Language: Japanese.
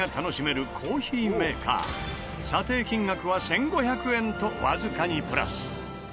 査定金額は１５００円とわずかにプラス。